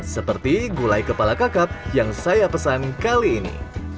seperti gulai kepala kakap yang saya pesan kali ini